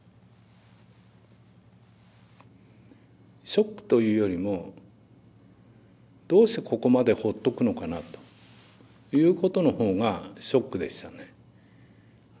ショックというよりもどうしてここまでほっとくのかなということのほうがショックでしたね。